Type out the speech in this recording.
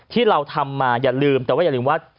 ที่เราทำมาอย่าลืมแต่ว่าอย่าลืมว่า